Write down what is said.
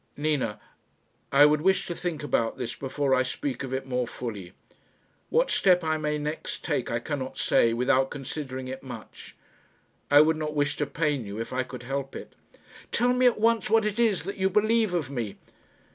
"Nina, I would wish to think about this before I speak of it more fully. What step I may next take I cannot say without considering it much. I would not wish to pain you if I could help it." "Tell me at once what it is that you believe of me?"